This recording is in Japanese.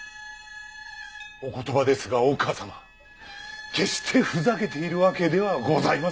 お言葉ですがお母様決してふざけているわけではございません。